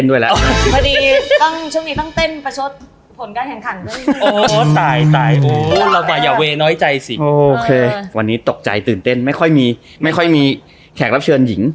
วันนี้ตกใจตื่นเต้นไม่ค่อยมีไม่ค่อยมีแขกรับเชิญหญิง